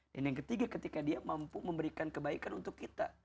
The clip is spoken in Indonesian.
dan yang ketiga ketika dia mampu memberikan kebaikan untuk kita